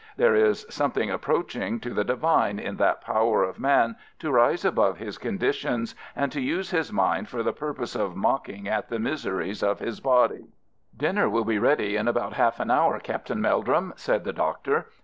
There is something approaching to the divine in that power of man to rise above his conditions and to use his mind for the purpose of mocking at the miseries of his body. "Dinner will be ready in about half an hour, Captain Meldrum," said the Doctor.